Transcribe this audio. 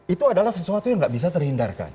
itu adalah sesuatu yang nggak bisa terhindarkan